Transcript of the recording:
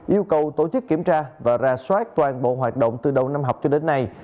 yêu cầu tổ chức kiểm tra và ra soát toàn bộ hoạt động từ đầu năm học cho đến nay